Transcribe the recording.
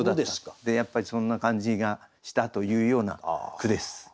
でやっぱりそんな感じがしたというような句です。